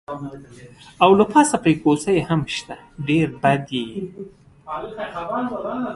او له پاسه پرې کوسۍ هم شته، ډېر بد یې.